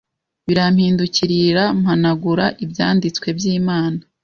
birampindukirira mpanagura ibyanditswe byImana